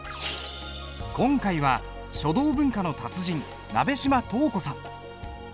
今回は書道文化の達人鍋島稲子さん。